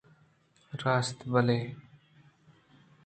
راست بلئے